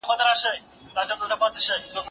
زه له سهاره مځکي ته ګورم!